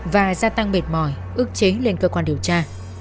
và gia tăng mệt mỏi ước chế lên cơ quan điều tra